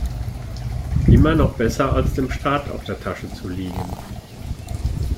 Immer noch besser, als dem Staat auf der Tasche zu liegen.